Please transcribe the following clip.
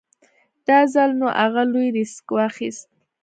دا ځل نو اغه لوی ريسک واخېست.